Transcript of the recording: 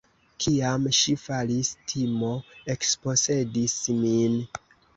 Kiam ŝi falis, timo ekposedis min.